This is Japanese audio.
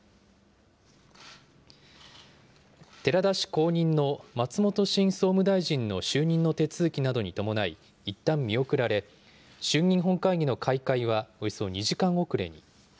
寺田氏後任の松本新総務大臣の就任の手続きなどに伴い、いったん見送られ、衆議院本会議の開会はおよそ２時間遅れに。